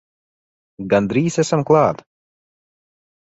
Gandrīz esam klāt!